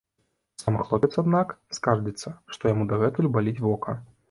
Сам хлопец, аднак, скардзіцца, што яму дагэтуль баліць вока.